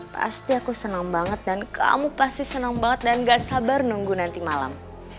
pasti aku senang banget dan kamu pasti senang banget dan gak sabar nunggu nanti malam